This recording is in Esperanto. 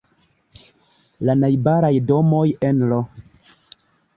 La najbaraj domoj nr.